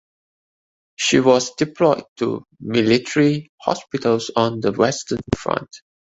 She was deployed to military hospitals on the Western Front.